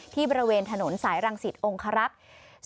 บริเวณถนนสายรังสิตองคารักษ์